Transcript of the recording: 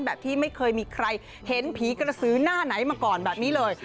แบบที่ไม่เคยมีใครเห็นผีกระสือหน้าไหนมาก่อนแบบนี้เลย